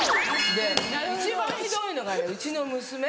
一番ひどいのがねうちの娘。